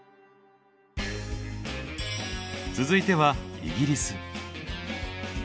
続いてはイギリス。